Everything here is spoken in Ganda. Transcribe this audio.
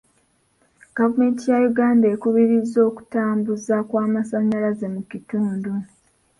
Gavumenti ya Uganda ekubirizza okutambuza kw'amasanyalaze mu kitundu.